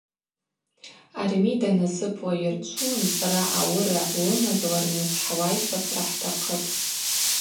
Армида насыпла йырчву нцӏра ауыра лымазларныс хӏлайхӏвахӏвра хӏтахъыпӏ.